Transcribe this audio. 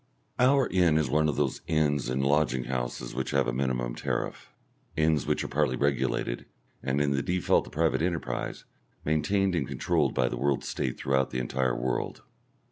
Our inn is one of those inns and lodging houses which have a minimum tariff, inns which are partly regulated, and, in the default of private enterprise, maintained and controlled by the World State throughout the entire world.